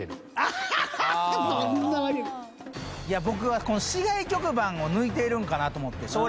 僕は市外局番を抜いているんかなと思って。